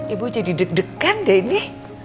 ibu jadi deg degan deh ini